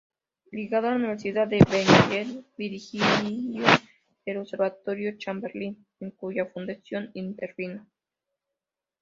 Ligado a la Universidad de Denver, dirigió el Observatorio Chamberlin, en cuya fundación intervino.